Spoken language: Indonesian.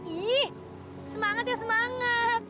ih semangat ya semangat